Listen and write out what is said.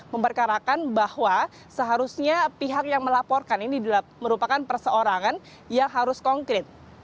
memperkarakan bahwa seharusnya pihak yang melaporkan ini merupakan perseorangan yang harus konkret